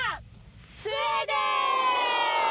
スウェーデン！